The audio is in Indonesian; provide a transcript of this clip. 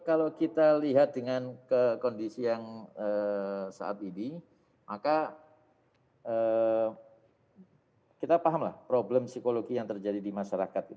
kalau kita lihat dengan kondisi yang saat ini maka kita pahamlah problem psikologi yang terjadi di masyarakat